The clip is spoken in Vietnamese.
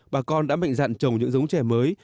bà con đã mệnh dạn trồng những giống trẻ mới